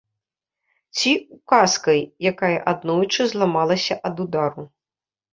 Ці ўказкай, якая аднойчы зламалася ад удару.